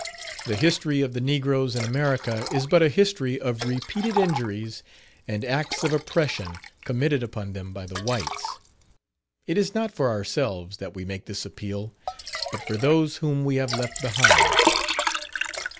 The history of the negroes in America is but a history of repeated injuries and acts of oppression committed upon them by the whites. It is not for ourselves that we make this appeal, but for those whom we have left behind.